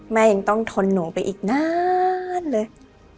ยังต้องทนหนูไปอีกนานเลย